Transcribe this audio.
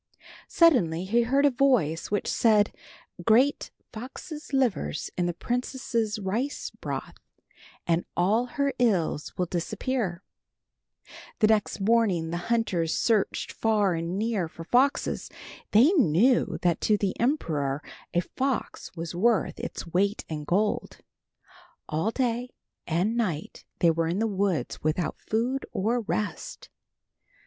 Suddenly he heard a voice which said, "Grate foxes' livers in the princess' rice broth and all her ills will disappear." The next morning the hunters searched far and near for foxes. They knew that to the emperor a fox was worth its weight in gold. All day and night they were in the woods without food or rest.